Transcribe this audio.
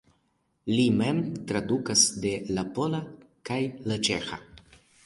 Li mem tradukas de la pola kaj la ĉeĥa.